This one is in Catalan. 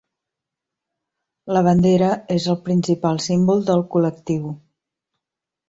La bandera és el principal símbol del col·lectiu.